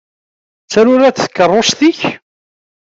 D taruradt tkeṛṛust-ik?